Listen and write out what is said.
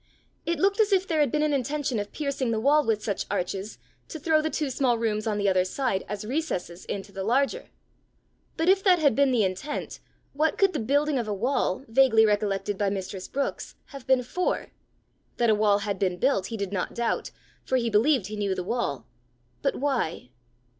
It looked as if there had been an intention of piercing the wall with such arches, to throw the two small rooms on the other side as recesses into the larger. But if that had been the intent, what could the building of a wall, vaguely recollected by mistress Brookes, have been for? That a wall had been built he did not doubt, for he believed he knew the wall, but why?